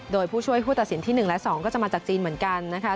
โดยผู้ช่วยผู้ตัดสินที่๑และ๒ก็จะมาจากจีนเหมือนกันนะคะ